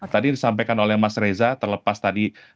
tadi disampaikan oleh mas reza terlepas tadi